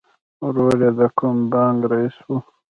ورور یې د کوم بانک رئیس و